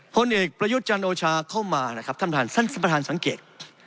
พลเอกประยุทธ์จันโอชาเข้ามานะครับท่านท่านประธานสังเกต